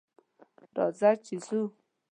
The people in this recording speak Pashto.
راځه ! چې ځو.